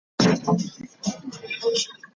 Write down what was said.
Okwogera bino abadde mu nsisinkano n'abaami ba Kabaka.